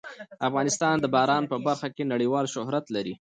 افغانستان د باران په برخه کې نړیوال شهرت لري.